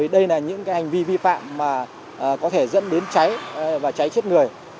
đây là những cái hành vi vi phạm mà có thể dẫn đến cháy và cháy chết người